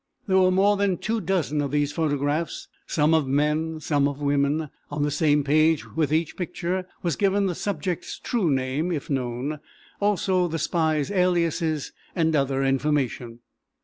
There were more than two dozen of these photographs, some of men, some of women. On the same page with each picture was given the subject's true name, if known, also the spy's aliases, and other information.